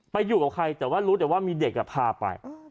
ไปอยู่กับใครแต่ว่ารู้เดี๋ยวว่ามีเด็กก็พาไป